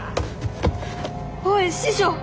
おい師匠！